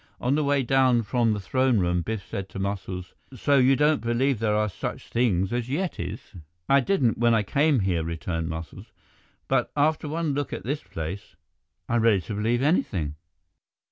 On the way down from the throne room, Biff said to Muscles, "So you don't believe there are such things as Yetis?" "I didn't when I came here," returned Muscles, "but after one look at this place, I am ready to believe anything."